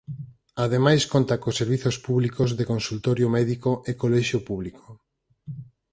Ademais conta cos servizos públicos de consultorio médico e colexio público.